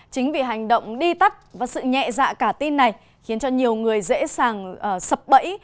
chính vì hành động đi tắt và sự nhẹ dạ cả tin này khiến cho nhiều người dễ sàng sập bẫy